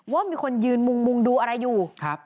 ว่ามีคนยืนมุงดูอะไรอยู่